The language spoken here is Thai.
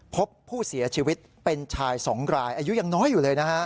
พบผู้เสียชีวิตเป็นชาย๒รายอายุยังน้อยอยู่เลยนะฮะ